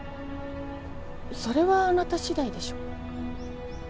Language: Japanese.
それはあなた次第でしょ。